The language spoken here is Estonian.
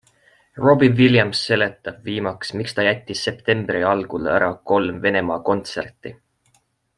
Robbie Williams seletab viimaks, miks ta jättis septembri algul ära kolm Venemaa kontserti.